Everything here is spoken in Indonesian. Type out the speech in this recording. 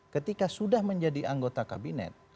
ketika sudah menjadi anggota kabinet